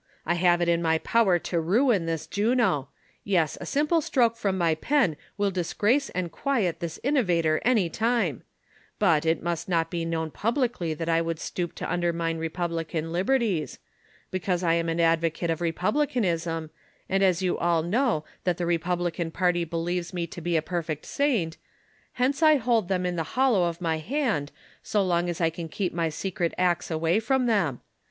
I have it in my power to ruin this Juno ; yes, a simple stroke from my pen will disgrace and quiet this innovator any time ; but, it must not be known publicly that I would stoop to imder mine republican liberties ; because I am an advocate of republicanism, and as you all know that the republican party believes me to be a perfect saint, hence I hold them THE COXSPIRATOES AND LOVERS. 79 in the hollow of my hand so long as I can keep my secret acts away from them.